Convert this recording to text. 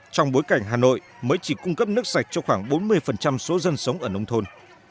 trong bối cảnh hà nội mới chỉ cung cấp nước sạch cho khoảng bốn mươi số dân sống ở nông thôn